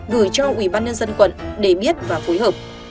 gửi cho ủy ban nhân dân quận để biết và phối hợp